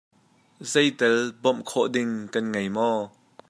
Zeitel bawmh khawh ding kan ngei maw?